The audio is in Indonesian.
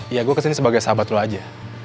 ya gue kesini sebagai sahabat lo aja